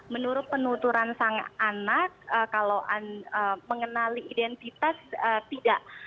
menurut penuturan sang anak kalau mengenali identitas tidak